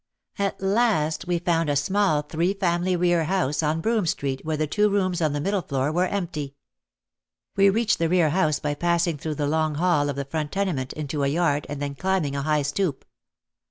At last we found a small three family rear house on Broome Street where the two rooms on the middle floor were empty. We reached the rear house by passing through the long hall of the front tene ment, into a yard, and then climbing a high stoop.